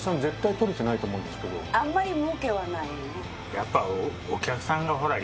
やっぱ。